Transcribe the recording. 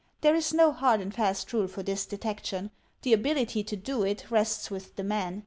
There is no hard and fast rule for this detection. The ability to do it rests with the man.